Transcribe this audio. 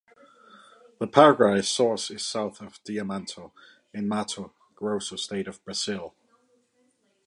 The Paraguay's source is south of Diamantino in the Mato Grosso state of Brazil.